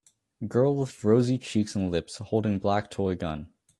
Girl with rosy cheeks and lips holding black toy gun